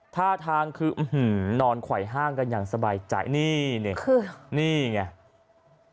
ท่าทางคือนอนไขว่ห้างกันอย่างสบายใจนี่นี่คือนี่ไง